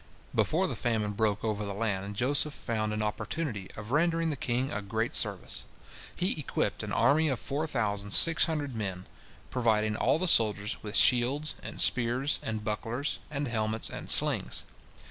Before the famine broke over the land, Joseph found an opportunity of rendering the king a great service. He equipped an army of four thousand six hundred men, providing all the soldiers with shields and spears and bucklers and helmets and slings.